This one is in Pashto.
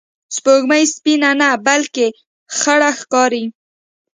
سپوږمۍ سپینه نه، بلکې خړه ښکاري